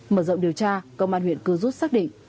mở rộng điều tra công an huyện cư rút xác định